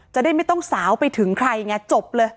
จะได้ไม่ต้องสาวไปถึงใครไงจบเลย